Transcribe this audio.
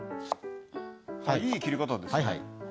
いい切り方ですね。